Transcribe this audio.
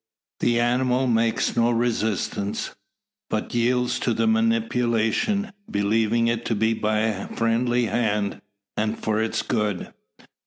The animal makes no resistance; but yields to the manipulation, believing it to be by a friendly hand, and for its good.